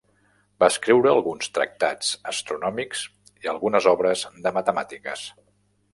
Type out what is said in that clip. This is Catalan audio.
Va escriure alguns tractats astronòmics i algunes obres de matemàtiques.